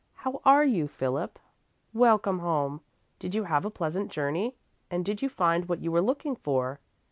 How are you, Philip? Welcome home! Did you have a pleasant journey and did you find what you were looking for?"